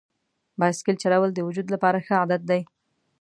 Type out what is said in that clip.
بایسکل چلول د وجود لپاره ښه عادت دی.